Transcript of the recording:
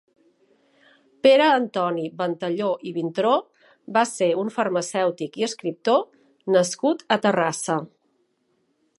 Pere Antoni Ventalló i Vintró va ser un farmacèutic i escriptor nascut a Terrassa.